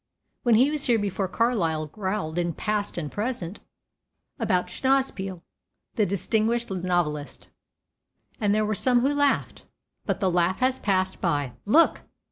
When he was here before Carlyle growled in Past and Present about "Schnauspiel, the distinguished novelist," and there were some who laughed. But the laugh has passed by. Look!